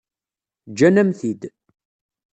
Ǧǧan-am-t-id.